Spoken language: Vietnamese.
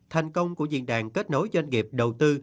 thành công của diễn đàn kết nối doanh nghiệp đầu tư